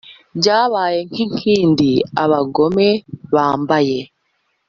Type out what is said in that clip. Byabaye nk’ikindi abagome bambaye